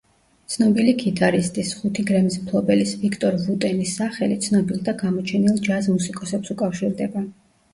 ცნობილი გიტარისტის, ხუთი გრემის მფლობელის, ვიქტორ ვუტენის სახელი ცნობილ და გამოჩენილ ჯაზ მუსიკოსებს უკავშირდება.